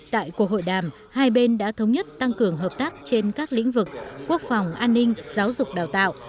tại cuộc hội đàm hai bên đã thống nhất tăng cường hợp tác trên các lĩnh vực quốc phòng an ninh giáo dục đào tạo